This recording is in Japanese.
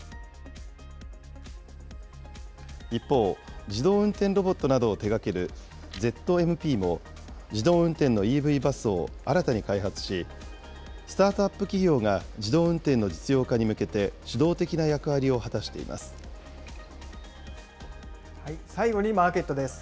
一方、自動運転ロボットなどを手がけるＺＭＰも、自動運転のＥＶバスを新たに開発し、スタートアップ企業が自動運転の実用化に向けて、最後にマーケットです。